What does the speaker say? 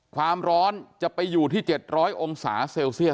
ความร้อนจะไปอยู่ที่๗๐๐องศาเซลเซียส